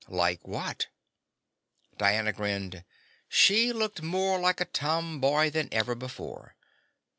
"Like what?" Diana grinned. She looked more like a tomboy than ever before.